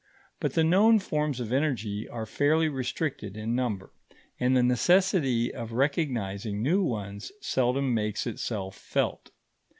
But the known forms of energy are fairly restricted in number, and the necessity of recognising new ones seldom makes itself felt.